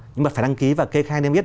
nhưng mà phải đăng ký và kê khai đem biết